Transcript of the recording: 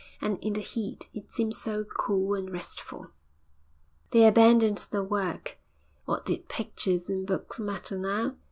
And in the heat it seemed so cool and restful.... They abandoned their work. What did pictures and books matter now?